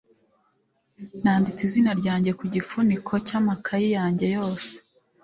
nanditse izina ryanjye ku gifuniko cy'amakaye yanjye yose.